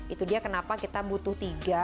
itu dia kenapa kita butuh tiga